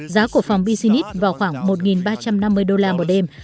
giá của phòng business vào khoảng một triệu đồng